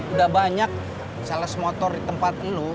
udah banyak sales motor di tempat lo